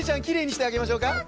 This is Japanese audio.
きれいにしてあげましょうか？